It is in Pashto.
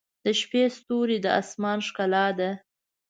• د شپې ستوري د آسمان ښکلا ده.